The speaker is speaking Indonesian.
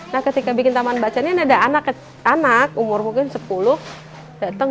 nah ketika bikin taman baca ini ada anak umur mungkin sepuluh datang